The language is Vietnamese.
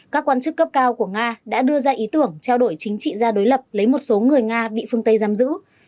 đối tượng cao của nga đã đưa ra ý tưởng trao đổi chính trị gia đối lập lấy một số người nga bị phương tây giam giữ